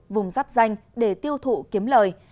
vùng rắp danh để tiêu thụ kiếm lợi